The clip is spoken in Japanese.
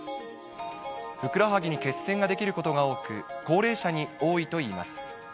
ふくらはぎに血栓が出来ることが多く、高齢者に多いといいます。